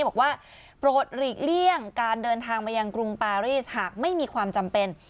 บอกว่าโปรดหลีกเลี่ยงการเดินทางมายังกรุงปารีสหากไม่มีความจำเป็น